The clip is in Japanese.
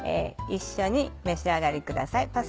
一緒に召し上がりください